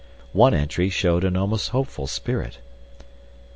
One entry showed an almost hopeful spirit.